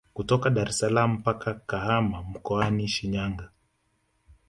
Kutoka Daressalaam mpaka Kahama mkoani Shinyanga